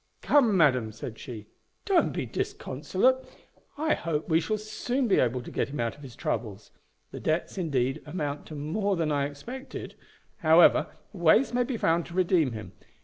"Come, madam," said she, "don't be disconsolate; I hope we shall soon be able to get him out of his troubles. The debts, indeed, amount to more than I expected; however, ways may be found to redeem him.